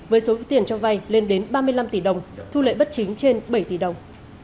với số tiền cho vai lên đến ba mươi năm tỷ đồng thu lợi bất chính trên bảy tỷ đồng